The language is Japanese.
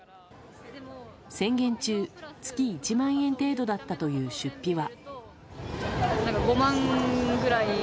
宣言中、月１万円程度だったという出費は。